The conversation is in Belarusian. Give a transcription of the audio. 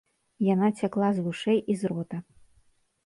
Яна цякла з вушэй і з рота.